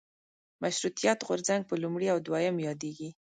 مشروطیت غورځنګ په لومړي او دویم یادېږي.